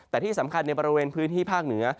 แต่ที่สำคัญในบริเวณพื้นที่ภาคเหนือ